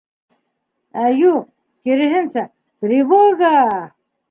Ә юҡ, киреһенсә, тревога!